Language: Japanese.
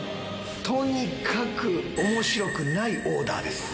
とにかくおもしろくないオーダーです。